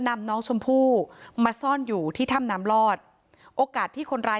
นำน้องชมพู่มาซ่อนอยู่ที่ถ้ำน้ำลอดโอกาสที่คนร้าย